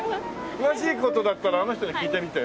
詳しい事だったらあの人に聞いてみて。